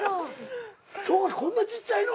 こんなちっちゃいの！？